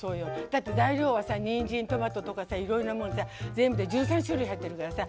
だって、材料はにんじん、トマトとかさいろいろなもの全部で１３種類入ってるからさ。